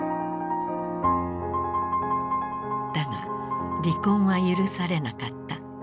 だが離婚は許されなかった。